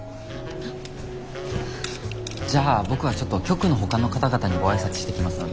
じゃあ僕はちょっと局のほかの方々にご挨拶してきますので。